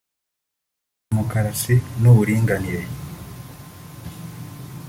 demokarasi n’uburinganire